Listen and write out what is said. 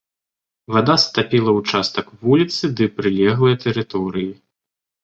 Вада затапіла ўчастак вуліцы ды прылеглыя тэрыторыі.